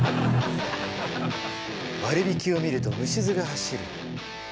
割引を見ると虫唾が走る。